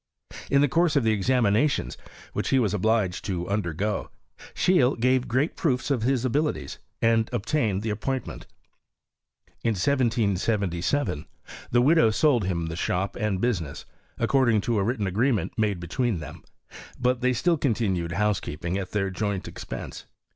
In the courae of the examinations which he was obliged to under go, Scheele gave great proofs of his abilities, _aaA obtained the appointment. In 1777 the widow sold him the shop and business, according to a writtea agreement made between them ; but they still coa tinued housekeeping at their joint expense.